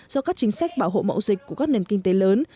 do các chính sách bảo hộ mậu dịch của các nền kinh tế lớn